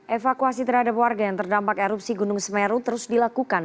evakuasi terhadap warga yang terdampak erupsi gunung semeru terus dilakukan